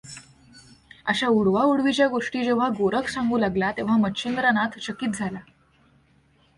अशा उडवाउडवीच्या गोष्टी जेव्हा गोरख सांगू लागला तेव्हा मच्छिंद्रनाथ चकित झाला.